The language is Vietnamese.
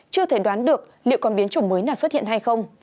chưa thể đoán được liệu còn biến chủng mới nào xuất hiện hay không